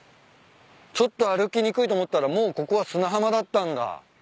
ちょっと歩きにくいと思ったらもうここは砂浜だったんだ。